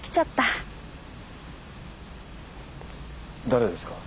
誰ですか？